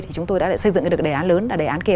thì chúng tôi đã xây dựng được đề án lớn là đề án kia